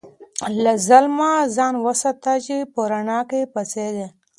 له ظلمه ځان وساته چې په رڼا کې پاڅېږې.